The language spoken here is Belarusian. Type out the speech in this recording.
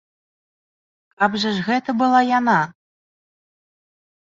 Каб жа ж гэта была яна!